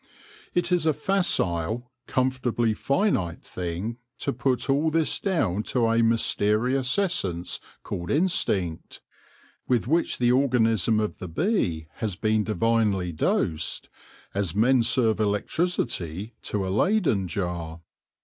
It is a facile, comfortably finite thing to put all this down to a mysterious essence called instinct, with which the organism of the bee has been divinely dosed, as men serve electricity to a leyden jar.